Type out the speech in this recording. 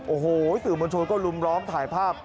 โอ้โหสื่อมวลชนก็ลุมล้อมถ่ายภาพ